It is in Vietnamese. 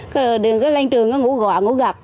cái đường cái lên trường nó ngủ gọa ngủ gặt